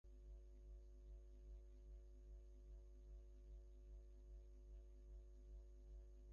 তিনি সেকালের লোক, কিন্তু তাঁর তারিখটা হঠাৎ পিছলিয়ে সরে এসেছিল অনেকখানি একালে।